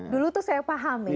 dulu itu saya paham